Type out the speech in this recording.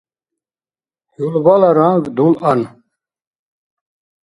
ХӀулбала ранг дулъан